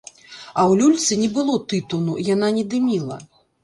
А ў люльцы не было тытуну, яна не дыміла.